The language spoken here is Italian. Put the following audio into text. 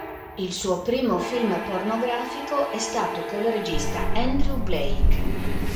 Il suo primo film pornografico è stato col regista Andrew Blake.